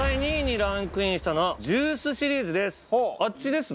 あっちですね。